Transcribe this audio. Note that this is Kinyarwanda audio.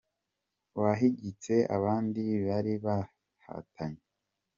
wahigitse abandi bari bahatanye.